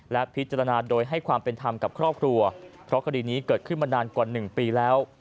และพิจารณาโดยให้ความเป็นธรรมกับครอบครัวเพราะคดีนี้เกิดขึ้นมานานกว่า๑ปีแล้ว